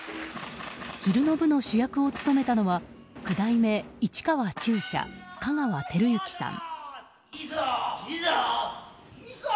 昼の部の主役を務めたのは九代目市川中車、香川照之さん。